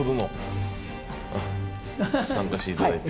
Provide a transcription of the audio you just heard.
参加して頂いて。